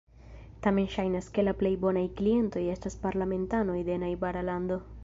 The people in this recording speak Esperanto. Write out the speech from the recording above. Tamen ŝajnas, ke la plej bonaj klientoj estas parlamentanoj de najbara lando.